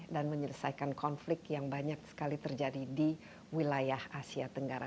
dan menyelesaikan konflik yang banyak sekali terjadi di wilayah asia tenggara